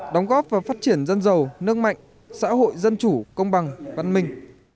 đóng góp và phát triển dân giàu nước mạnh xã hội dân chủ công bằng văn minh